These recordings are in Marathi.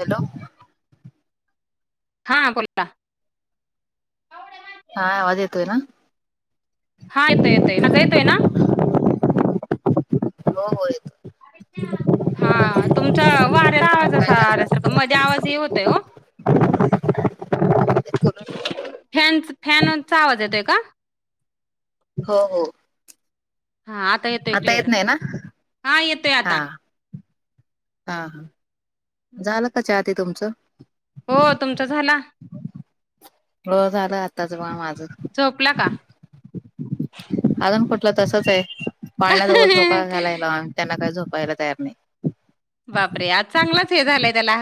हॅलो हा बोलता हा आवाज येतोय ना हा येतय येतय माझा येतय ना हो हो येतो. हा तुमचा वाऱ्याचा आवाज काय असा आल्यासारखं करायला मध्ये आवाज हे होतय हो‌ बोलून लावले फॅन फॅनचा आवाज येतोय का हो हो हा आता येतोय क्लिअर येत नाही ना हा येतोय हा आता. हा झालं का च्या ती तुमचं हो तुमचा झाला हो झालं आताचं बा माझं झोपला का अजून कुठलं तसच आहे पाळण्याजवळ झोका घालायला त्यांना काही झोपायला तयार नाही. बापरे आज चांगलाच हे झालंय त्याला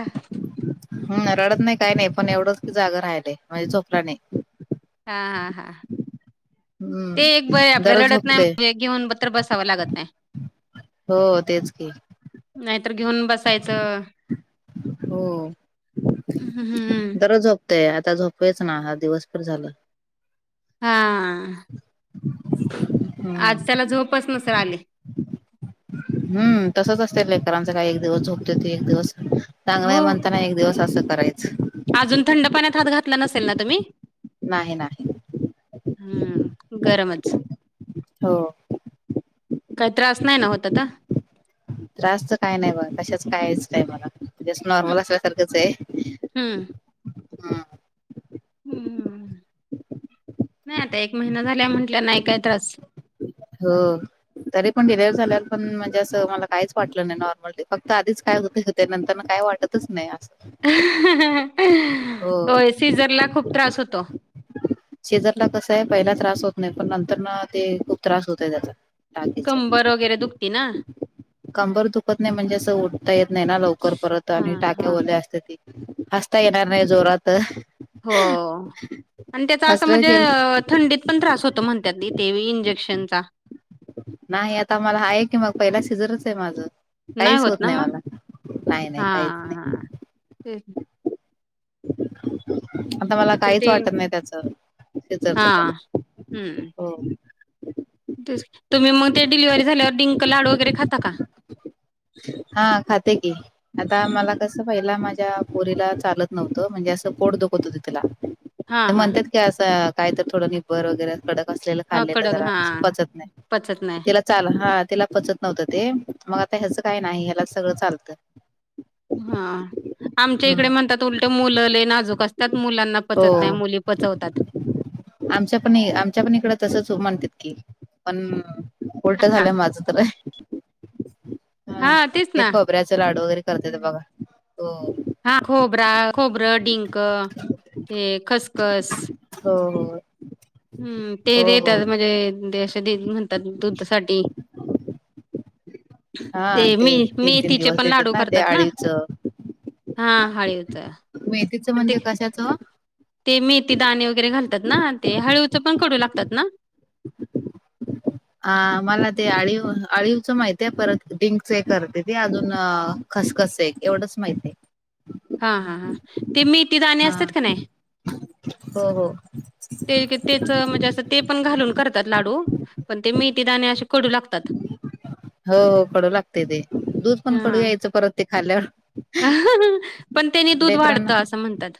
हम रडत नाही काही नाही पण एवढंच क जागा राहिलय म्हणजे झोपला नाही. हा हा हा. ते एक बय हम्म आपल्या दररोज रडत नाही झोपते म्हणजे घेऊनत्र बसावं लागत नाही. हो तेच की. नाहीतर घेऊन बसायचं. हो हम्म दररोज झो. पतय आता झोपेच ना हा दिवस भर झालं. हा हा हम्म आज त्याला झोपच नसल आली. हम्म तसच असत लेकरांच काही एक दिवस झोपते ते एक दिवस. चांगलं आहे हो म्हणताना एक दिवस असं करायचं. अजून थंड पाण्यात हात घातला नसेल ना तुम्ही. नाही नाही. हम्म गरमच हो काही त्रास नाही ना होत आता त्रासच काय नाही बघ तशाच कायच नाही मला असं नॉर्मल असल्यासारखंच आहे. हम्म. हम्म हम्म नाही आता एक महिना झाला म्हंटल्या नाही काय त्रास. हो. तरी पण डिलेवर झाल्याला पण म्हणजे असं मला काहीच वाटलं नाही नॉर्मलली फक्त आधीच काय होत. ते नंतर न काय वाटतच नाही असं. होय सीझर ला खूप त्रास होतो. सिझररला कस आहे पहिला त्रास होत नाही पण नंतर ना ते खूप त्रास होत आहे त्याचा. बकीेच कंबर वगैरे दुखती ना. कंबर दुखत नाही म्हणजे असं उटता येत नाही ना लवकर परत आणि हां टाक्या हां. ओल्या असते ती. ता येणार नाही जोरात ह. हो आणि त्याच असं म्हणजे गेल अ थंडीत. पण त्रास होत म्हणतात देत ते इंजेक्शनचा नाही आता मला आहे की मग पहिला शिजरच आहे माझं. काहीच होत नाही मला नाही नाही काहीच नाही. हम. [unintelligible] आता मला नाहीतर काहीच ते वाटत नाही त्याच शिजरच पण हां. हं. हो. तेच तुम्ही मग ते डिलिव्ही झाल्यावर डिंक लाडू वगैरे खाता का? हा खाते की आता मला कस? असं पहिला माझ्या पोरीला चालत नव्हतं म्हणजे असं पोट दुखत होत तिला हां ते हां. म्हणतात. असं काही तर थोडं निबर वगैरे कडक असलेलं हा खाल्लेलं कडक जरा हा पचत नाही पचत नाही तिला चाल हा तिला पचत नव्हतं ते मग आता ह्याचं काही नाही ह्याला सगळं चालतं. हा. आमच्या हम्म. इकडे म्हणतात उलट मुलं लय नाजूक असतात मुलांना हो पचत नाही मुली पचवतात. आमच्या पण ई आमच्या पण इकडं तसच म्हणतात की पण उलट हा झालंय माझं तर हा तेच ते ना खोबऱ्याच लाडू वगैरे करतेत बघा हो. हा खोबरा खोबरं डिंक ते खसखस. हो हो. हम्म ते हो हो देेतात म्हणजेे दे म्हणतात दुध साठी हा ते मी तीन तीन मेथीचे दिवस पण देतात लाडू ते करतात ना. आळीवचं हा हळीव च. मेथीचं म्हणजे कशाचं. ते मेथी दाणे वगैरे घालतात ना ते हळीवच पण कडू लागतात ना. [unintelligible] अ मला ते अळीव अळीवच माहिती आहे परत डिंकच एक करत्यात अजून खसखस आहे एवढंच माहित आहे. हा हा हा, ते मेथी दाणे हा असतात क नाही. हो हो ते क तेच म्हणजे असं ते पण घालून करतात लाडू, पण ते मेथी दाणे असे कडू लागत हो कडू लागते ते, दूध पण कडू हा. यायचं परत ते खाल्ल्यावर. पण त्यानी दूध वाढतं असं म्हणतात.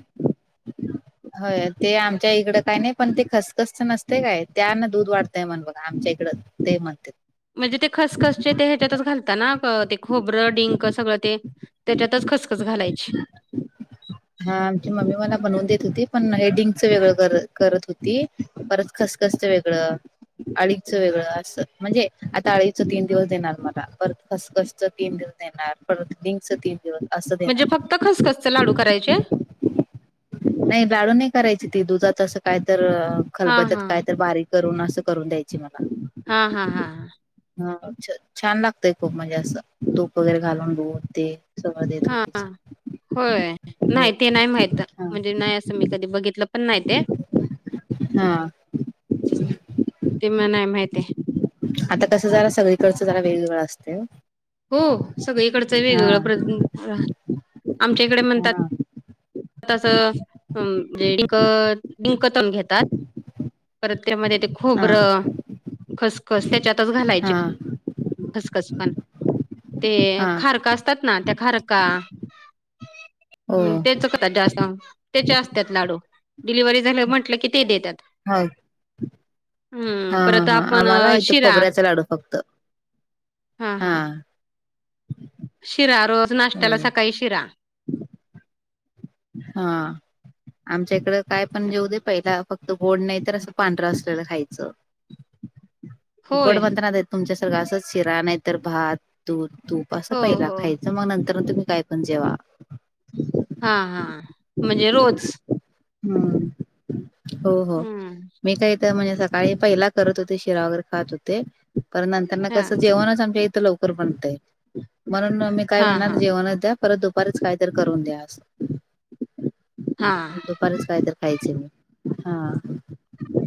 [inaudible] होय, ते आमच्या इकडं काय नाही पण ते खसखसचं नसतंय काय, त्यानं दूध वाढतंय म्हण बघा आमच्या इकडं. दे म्हणतेत. म्हणजे ते खसखसचे ते ह्याच्यातच घालता ना, आ प ते खोबरं डिंक सगळं ते? तेच्यातच खसखस घालायची. हा आमची मम्मी मला बनवून देत होती, पण हे डिंकचं वेगळं कर करत होती. परत खसखसचं वेगळं. अळीचं वेगळं असं, म्हणजे आता अळीचं तीन दिवस देणार मला परत खसखसचं तीन दिवस देणार परत डिंकचं तीन दिवस असं देणार. कच्चं लाडू करायचे? नाही डाळू नाही करायची, ती दुधात असं काय तर हा खलबत्यात हा काय तर बारीक करून असं करून द्यायची मला त हा हा हा हा. ह, छा छान लागतय खूप म्हणजे असं, तूप वगैरे घालून दूध ते. तवा देत हा होतीच. हा होय, नाही ते नाही माहित, म्हणजे नाही असं मी कधी बघितलं पण नाही ते, हा ते म नाय माहिती. आता कसं जरा सगळीकडचं जरा वेगवेगळं असतंय ओ. हो सगळीकडचं वेगवेगळं प्र, आमच्या इकडे म्हणतात हा तसं म्हणजे डिंक तळून घेतात परत त्यामध्ये ते हा खोबरं, खसखस त्याच्यातच घालायचे हा खसखस पण. ते हा खारका असतात ना, त्या खारका, हो हम्म हो ते असं, त्याचे असतात लाडू, डिलिव्हरी झाले म्हटलं की ते देतात. होय हम्म, परत आपण आम्हाला अ इथं शिरा खोबऱ्याचा लाडू फक्त हा हा शिरा रोज नाश्त्याला होय सकाळी शिरा. हा, आमच्या इकडं काय पण देऊ दे पहिला फक्त गोड नाही तर असं पांढरं असलेलं खायचं, गोड होय म्हणताना द तुमच्यासारखा असच शिरा नाही तर भात, दूध, तूप असं हो पहिला हो खायचं मग नंतर तुम्ही काय पण जेवा. हा हा म्हणजे रोज. हम्म, हो हो, हम्म मी काही तर म्हणजे काळी पहिला करत होते शिरा वगैरे खात होते, पण नंतरन हा कसं जेवणच आमच्या इथं लव कर बनतय, म्हणून मी काय हा म्हणणार हा जेवणच द्या, परत दुपारीच कायतरी करून द्या असं. हां दुपारीच काहीतर खायचे मी, हा.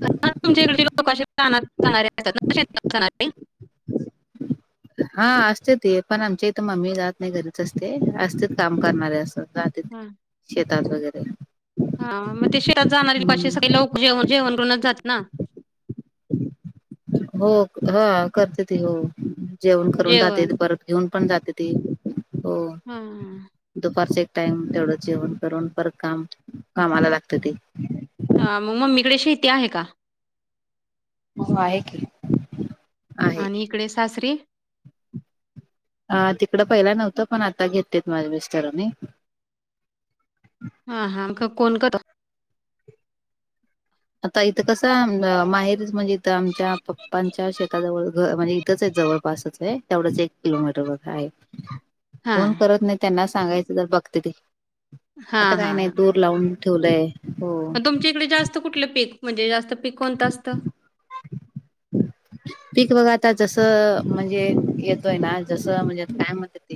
आता तुमच्या इकडचे लोकं अशे रानात जाणारे असतात ना शेतात जाणारी? [unintelligible] हा असतेती, पण आमच्या इथं मम्मी जात नाही घरीच असते, असतेत काम करणारे असं ज तेत शेतात वगैरे. हा, मग ते शेतात जाणारे माणसं सगळे हम्म. लोकं जेवण करूनच जातेत? हो, हा करतेती हो, जेवण करून जातेेत जेवण परत घेऊन पण जातेती हो. हा. दुपारच एक टाइम तेवढं जेवण करून परत काम कामाला लागत ते. हा मग मम्मीकडे शेती आहे का? हो, आहे की. आहे आणि इकडे सासरीे. अ तिकडं पहिला नव्हतं, पण आता घेतलेत माझ्या मिस्टरांनी. हा हां कोण कर [inaudible] आता इथं कसं माहेरीचं म्हणजे इथं आमच्या, पप्पांच्या शेताजवळ घर म्हणजे, इथंच आहेत जवळ पासचं हाय तेवढंच, एक किलोमीटर बर आहे. हा कोण करत नाही त्यांना सांगायचं, तर बघते ते हा आता काय हा नाही हा दू लावून ठेवलंय हो. मग तुमच्या इकडे जास्त कुठलं पीक म्हणजे, जास्त पिक कोणतं असतं? [inaudible] पीक बघा आता जस म्हणजे येतोय ना, जसं म्हणजे काय म्हत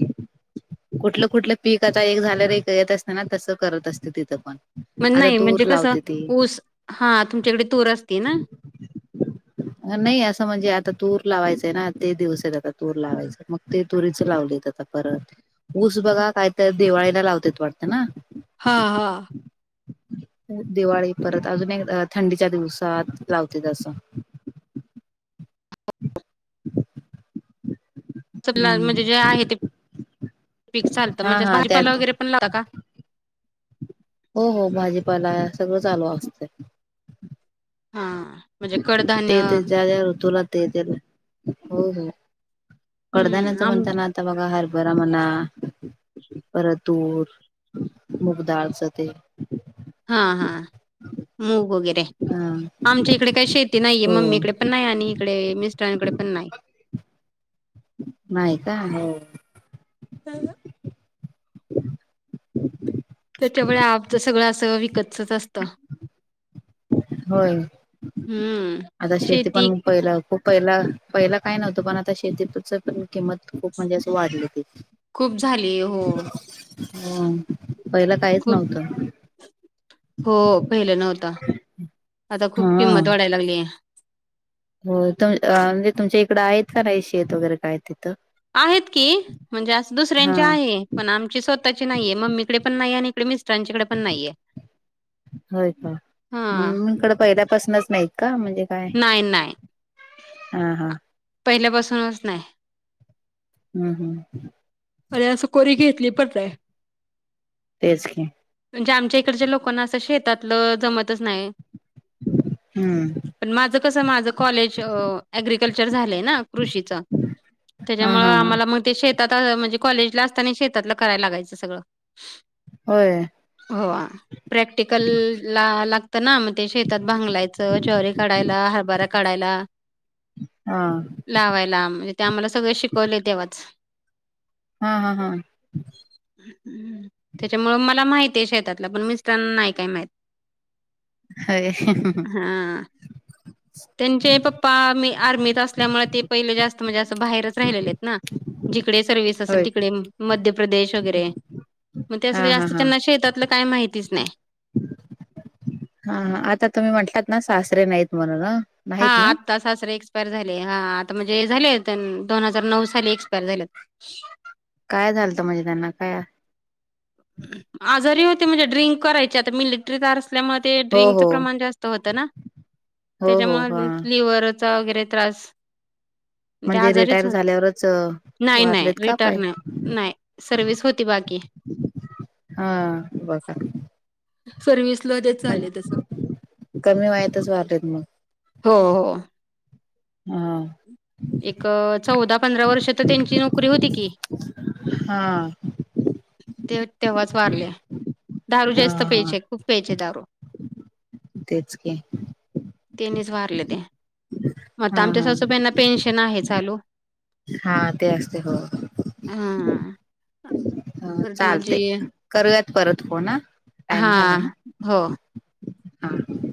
कुठलं कुठलं पीक आता एक झाल्यार एक येत असत ना तसं करत असते तिथं पण म आता नाही तूर म्हणजे, कसं लावते ती ऊस हा तुमच्याकडे तूर असती न. [unintelligible] नाही असं म्हणजे आता तूर लावायचंय ना ते दिवस आता तूर लावायचं मग ते तुरीच लावले आता. परत ऊस बघा कायत दिवाळीला लावतेत वाटतं ना? हा हा. दिवाळी परत अजून एक थंडीच्या दिवसात लावते तसं. [unintelligible] सगळा हम्म म्हणजे जे आहे ते पीक चालतं हा म्हणजे हा बारजीपाला त्यात वगैरे पण लावता का? हो हो भाजीपाला सगळं चालू असतेय. हा. म्हणजे कडधान्य ते ते ज्या ज्या ऋतुला ते ते हो हो. हम्म कडधान्याचं आम म्हणताना आता बघा हरभरा म्हणा. परत तूर, मुगदाळं चं ते हा हा. मूग वगैरे हा आमच्या इकडे काही शेती नाहीये, हो मम्मीकडे पण नाही आणि ईकडे मिस्टरांकडे पण नाही. नाही का हो. का गं? [unintelligible] त्याच्यामुळे आमच सगळं असं विकतच असत. होय, आता शेती पण पहिला खूप पहिला पहिला काय नव्हतं, पण आता शेतीच पण किंमत खूप म्हणजे असं वाढलेली. खूप झालीयं हो. हम. खूप हो पहिलं नव्हता. आता खूप किंमत वाढायला लागलीये. होय, तुम म्हणजे तुमच्या इकडं आहेत का, नाही शेत वगैरे काय तिथं? आहेत की म्हणजे, अस हा दुसऱ्यांची आहे पण आमची स्वतःची नाहीये मम्मीकडे पण नाही आणि इकडे मिस मिस्टरांच्या कडे पण नाहीये. होय, का? हा हम इकडं पहिल्या पासूनच नाहीत का, म्हणजे काय? नाही नाही. हा हा. पहिल्या पासूनच नाही. हम्म हम अरे असं कोणी घेतली पण नाय तेच की म्हणजे आमच्या इकडच्या लोकांना असं शेतातलं जमतच नाय हम्म पण माझं कसं माझं कॉलेज ॲग्रिकल्चर झालंय ना कृषीचं हा त्याच्यामुळे हा हा आम्हाला मग शेतात म्हणजे कॉलेजला असताना शेतातला करायला लागायचं सगळं होय? हो प्रॅक्टिकल ला लाग त ना मग ते शेतात भांगलायचं ज्वारी काढायला हरबरा काढायला हा लावायला म्हणजे ते आम्हाला सगळं शिकवलय तेव्हाच हा हा हा [inaudible] त्याच्यामुळं मला माहतीय शेतातलं पण मिस्टरांना नाही काय माहित हा ह [inaudible] त्यांचे पप्पा मी आर्मीत असल्यामुळे ते पहिले जास्त म्हणजे असं बाहेरच राहिलेलेत ना जिकडे सर्विस असेल होय तिकडे मध्य प्रदेश वगैरे मग ते अस हा हा जास्त हा त्यांना शेतातलं काय माहितीच नाय हा आता तुम्ही म्हटलात ना सासरे नाहीत म्हणूनं हा आत सासरे एक्सपायर झाले. हा आता म्हणजे झाले. आता दोन हजार नऊ साली एक्सपायर झाल्यात काय झालत म्हणजे त्यांना काय? आजारी होते म्हणजे ड्रिंक करायचे आता मिलिटरीत आस असल्यामुळं हो हो ड्रिंकच प्रमाण जास्त होत ना हो हो हा त्याच्यामुळ लिव्हर चा वगैरे त्रास [inaudible] ते म्हणजे आजारीच रिटायर होत झाल्यावरच नाही नाही वारलेत का काय? रिटर्न नाही सर्व्हिस होती बाकी. हा बघा सर्व्हिस ल [unintelligible] म्हणजे झाले तसलं कमी वयातच वारलेत मग? हो हो हा एक चौदा पंधरा वर्ष तर त्यांची नोकरी होती की [inaudible] हा ते तेव्हाच वारले दारू जास्त हा प्यायचे खूप प्यायचे दारू तेच की तेनीच वारले ते मग हा आमच्या हा सासूबाईंना पेन्शन आहे चालू हा ते असते. हो हा हा परत माझी चालतय करूयात परत फोन हा टाइम हा झालय ना? हो हा